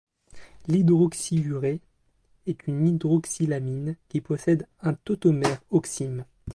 L'hydroxyurée est une hydroxylamine qui possède un tautomère oxime.